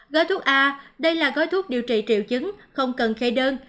gói thuốc a đây là gói thuốc điều trị triệu chứng không cần khe đơn